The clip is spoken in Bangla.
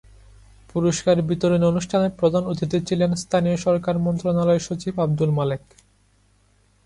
পুরস্কার বিতরণী অনুষ্ঠানে প্রধান অতিথি ছিলেন স্থানীয় সরকার মন্ত্রণালয়ের সচিব আবদুল মালেক।